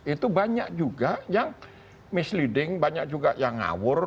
itu banyak juga yang misleading banyak juga yang ngawur